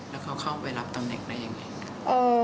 แล้วเขาเข้าไปรับตำแหน่งได้ยังไง